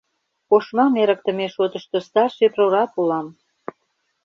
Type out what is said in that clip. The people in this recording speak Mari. Ошмам эрыктыме шотышто старший прораб улам.